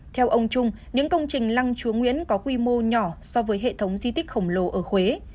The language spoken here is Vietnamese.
theo ông trung những công trình lăng chúa nguyễn có quy mô nhỏ so với hệ thống di tích khổng lồ ở huế